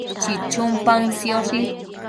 chichun paën sioshi